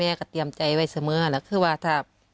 ทั้งครูก็มีค่าแรงรวมกันเดือนละประมาณ๗๐๐๐กว่าบาท